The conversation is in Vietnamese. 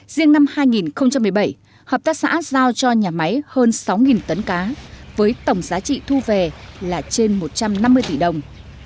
riêng năm hai nghìn một mươi bảy hợp tác xã giao cho nhà máy hơn sáu tấn cá với tổng giá trị thu về là trên một trăm năm mươi tỷ đồng